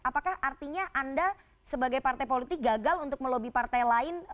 apakah artinya anda sebagai partai politik gagal untuk melobi partai lain